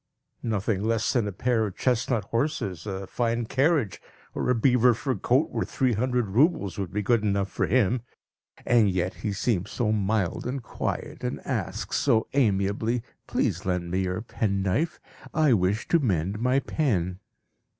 Nothing less than a pair of chestnut horses, a fine carriage, or a beaver fur coat worth three hundred roubles would be good enough for him. And yet he seems so mild and quiet, and asks so amiably, "Please lend me your penknife; I wish to mend my pen."